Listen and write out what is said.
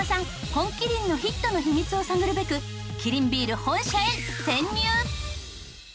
本麒麟のヒットの秘密を探るべくキリンビール本社へ潜入！